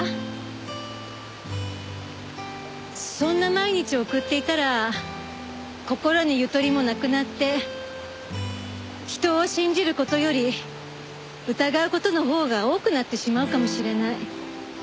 そんな毎日を送っていたら心にゆとりもなくなって人を信じる事より疑う事のほうが多くなってしまうかもしれない。